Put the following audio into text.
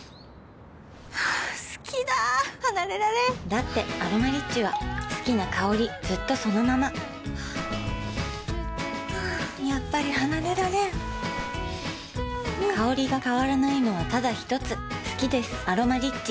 好きだ離れられんだって「アロマリッチ」は好きな香りずっとそのままやっぱり離れられん香りが変わらないのはただひとつ好きです「アロマリッチ」